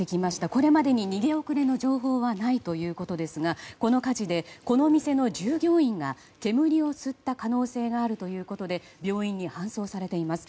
これまでに逃げ遅れの情報はないということですがこの火事で、この店の従業員が煙を吸った可能性があるということで病院に搬送されています。